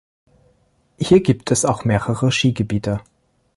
Hier gibt es auch mehrere Skigebiete.